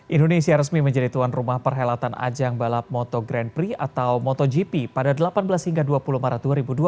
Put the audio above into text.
indonesia resmi menjadi tuan rumah perhelatan ajang balap moto grand prix atau motogp pada delapan belas hingga dua puluh maret dua ribu dua puluh